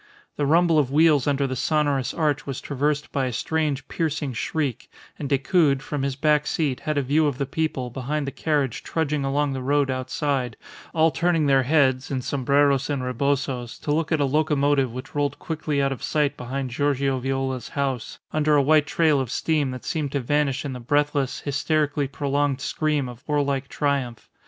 The rumble of wheels under the sonorous arch was traversed by a strange, piercing shriek, and Decoud, from his back seat, had a view of the people behind the carriage trudging along the road outside, all turning their heads, in sombreros and rebozos, to look at a locomotive which rolled quickly out of sight behind Giorgio Viola's house, under a white trail of steam that seemed to vanish in the breathless, hysterically prolonged scream of warlike triumph.